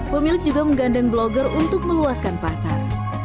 pemilik juga menggandeng blogger untuk meluaskan pasar